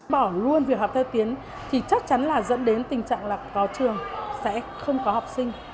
bỏ luôn việc học theo tuyến thì chắc chắn là dẫn đến tình trạng là có trường sẽ không có học sinh